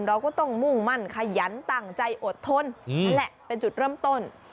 เราก็ต้องมุ่งมั่นขยันตั้งใจอดทนนั่นแหละเป็นจุดเริ่มต้น